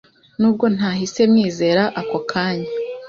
nubwo ntahise mwizera ako kanya